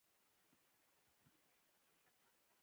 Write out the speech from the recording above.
ټاکنې د پرانیستو سیاسي بنسټونو رامنځته کېدو لامل نه کېږي.